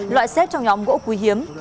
loại xếp trong nhóm gỗ quý hiếm